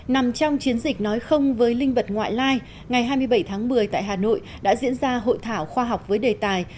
nằm trong chiến dịch nói không với linh vật ngoại lai ngày hai mươi bảy tháng một mươi tại hà nội đã diễn ra hội thảo khoa học với đề tài